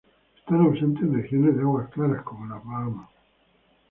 Están ausentes en regiones de aguas claras como las Bahamas.